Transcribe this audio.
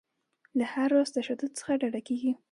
له هر راز تشدد څخه ډډه کیږي.